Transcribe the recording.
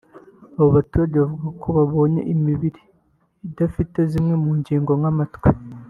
abo baturage bavuga ko babonye imibiri idafite zimwe mu ngingo nk’amatwi